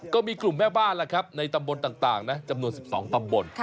ก็มีกลุ่มแม่บ้านในตำบลต่างจำนวนสี่สองตำบล